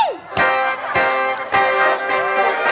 สวัสดีครับ